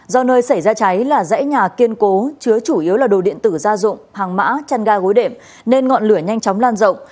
do nơi xảy ra cháy là dãy nhà kiên cố chứa chủ yếu là đồ điện tử gia dụng hàng mã chăn ga gối đệm nên ngọn lửa nhanh chóng lan rộng